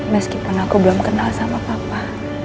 meskipun aku belum kenal sama papa